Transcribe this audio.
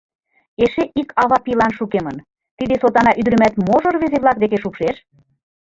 — Эше ик ава пийлан шукемын, тиде сотана ӱдырымат можо рвезе-влак деке шупшеш?